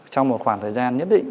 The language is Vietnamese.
trong một khoảng thời gian nhất định